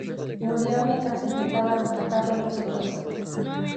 Murió mientras intentaban rescatarlo de un secuestro.